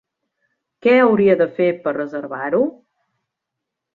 Que hauria de fer per reservar-ho?